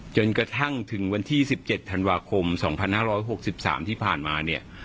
จนกระทั่งถึงวันที่๑๗ธันวาคม๒๕๖๓ที่ผ่านมาเนี่ย